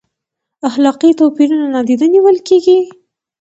اخلاقي توپیرونه نادیده نیول کیږي؟